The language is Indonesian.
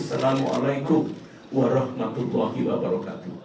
assalamu'alaikum warahmatullahi wabarakatuh